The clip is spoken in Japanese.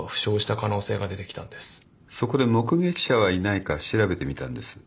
そこで目撃者はいないか調べてみたんです。